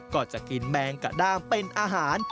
ก็จะกินแมงกระด้ามเป็นอาหาร